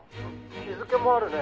「日付もあるね」